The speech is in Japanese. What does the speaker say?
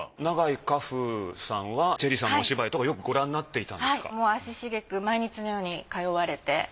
永井荷風さんはチェリさんのお芝居とかよくご覧になっていたんですか？足しげく毎日のように通われて。